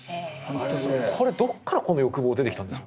これどっからこの欲望が出てきたんでしょう？